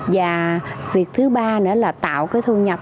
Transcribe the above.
và việc thứ ba nữa là tạo cái thu nhập